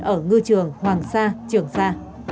ở ngư trường hoàng sa trường sa